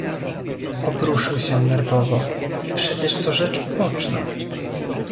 "Obruszył się nerwowo: „Przecież to rzecz uboczna!"